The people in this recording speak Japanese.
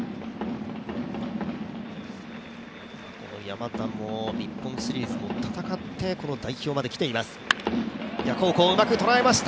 山田も日本シリーズを戦って、この代表まで来ています。